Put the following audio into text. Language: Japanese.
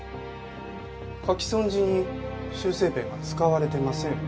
書き損じに修正ペンが使われてません。